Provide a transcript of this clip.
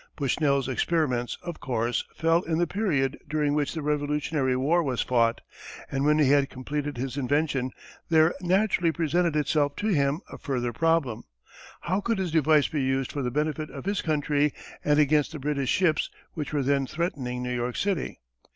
Bushnell's experiments, of course, fell in the period during which the Revolutionary War was fought, and when he had completed his invention, there naturally presented itself to him a further problem. How could his device be used for the benefit of his country and against the British ships which were then threatening New York City?